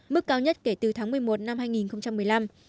mức cao nhất kể từ tháng một mươi một năm hai nghìn một mươi năm